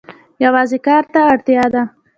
یوازې کار ته اړتیا ده.